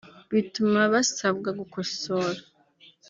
bituma basabwa gukosora